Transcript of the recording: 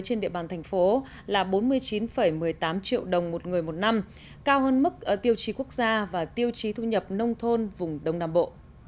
trên địa bàn thành phố là bốn mươi chín một mươi tám triệu đồng một người một năm cao hơn mức tiêu chí quốc gia và tiêu chí thu nhập nông thôn vùng đông nam bộ